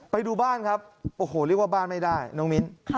ไปดูบ้านครับโอ้โหเรียกว่าบ้านไม่ได้น้องมิ้น